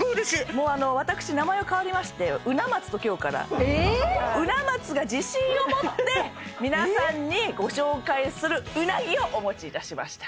もうあの私名前が変わりまして鰻松と今日から鰻松が自信を持って皆さんにご紹介するうなぎをお持ちいたしました